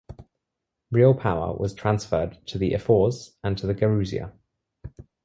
Real power was transferred to the ephors and to the gerousia.